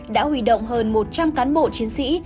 đã huy động hơn một trăm linh cán bộ chiến sĩ